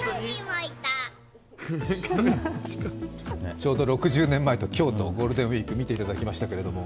ちょうど６０年前と今日とゴールデンウイーク見ていただきましたけれども。